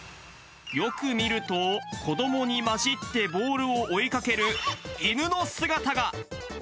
よく見ると、子どもに交じってボールを追いかける、犬の姿が。